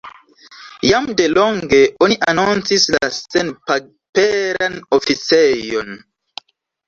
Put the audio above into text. Jam delonge oni anoncis la senpaperan oficejon.